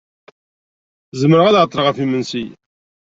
Zemreɣ ad ɛeṭṭleɣ ɣef yimensi.